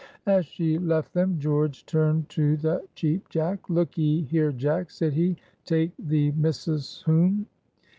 As she left them, George turned to the Cheap Jack. "Look 'ee here, Jack," said he; "take thee missus whoam.